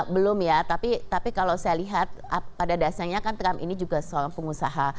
belum ya tapi kalau saya lihat pada dasarnya kan trump ini juga seorang pengusaha